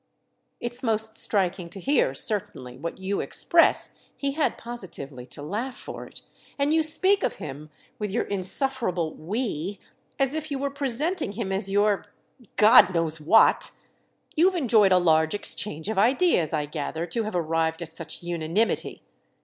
"It's most striking to hear, certainly, what you express"—he had positively to laugh for it; "and you speak of him, with your insufferable 'we,' as if you were presenting him as your—God knows what! You've enjoyed a large exchange of ideas, I gather, to have arrived at such unanimity."